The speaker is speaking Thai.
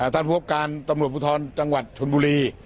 ท่านภูครับการศูนย์ภูท้อนจังหวัดชนบุรี